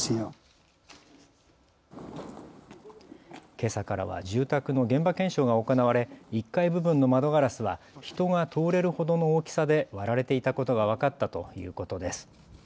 けさからは住宅の現場検証が行われ１階部分の窓ガラスは人が通れるほどの大きさで割られていたことが分かったということです。